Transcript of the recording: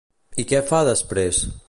I què fa després?